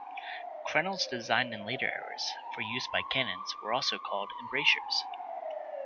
Crenels designed in later eras, for use by cannons, were also called embrasures.